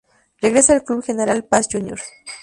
Regresa al Club General Paz Juniors.